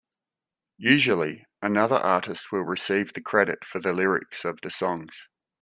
Usually, another artist will receive the credit for the lyrics of the songs.